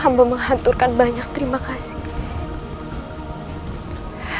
hamba menghanturkan banyak terima kasih